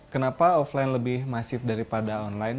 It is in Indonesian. kenapa offline lebih masif daripada online